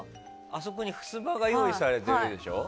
あそこにふすまが用意されてるでしょ。